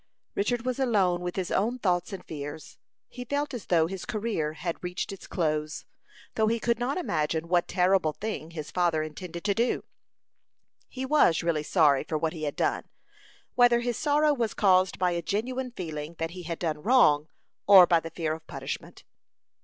Richard was alone with his own thoughts and fears. He felt as though his career had reached its close, though he could not imagine what terrible thing his father intended to do. He was really sorry for what he had done, whether his sorrow was caused by a genuine feeling that he had done wrong, or by the fear of punishment.